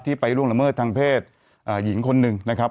ไปล่วงละเมิดทางเพศหญิงคนหนึ่งนะครับ